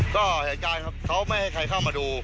ก็เหตุการณ์ครับเขาไม่ให้ใครเข้ามาดู